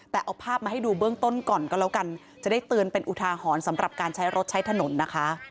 แต่เอาภาพมาให้ดูเบื้องต้นก่อนก็แล้วกันจะได้เตือนเป็นอุทาหรณ์สำหรับการใช้รถใช้ถนนนะคะ